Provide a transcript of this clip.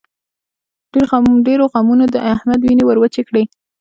ډېرو غمونو د احمد وينې ور وچې کړې.